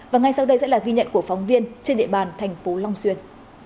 và ngay sau đây sẽ là ghi nhận của phóng viên trên địa bàn thành phố long xuyên